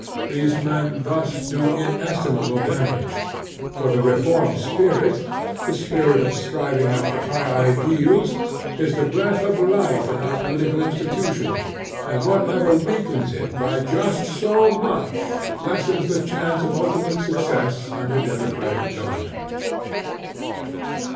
These men thus do inestimable dam age; for the reform spirit, the spirit of striving after high ideals, is the breath of life in our political institutions; and whatever weakens it by just so much lessens the chance of ultimate success under democratic government.